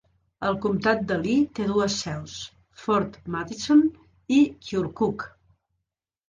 El comtat de Lee té dues seus: Fort Madison i Keokuk.